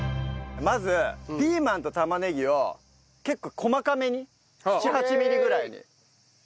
まずピーマンと玉ねぎを結構細かめに７８ミリぐらいに。